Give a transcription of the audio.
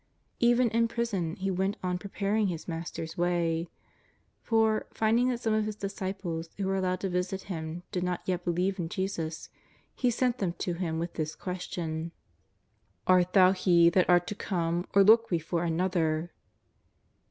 Even in prison he went on preparing his Master's way. For, finding that some of his disciples w^ho were allowed to visit him did not yet believe in Jesus, he sent them to Him with this question: ^^Art Thou He that art to come or look we for another